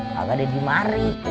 kagak ada di mari